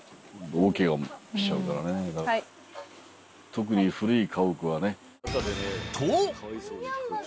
特に古い家屋はね。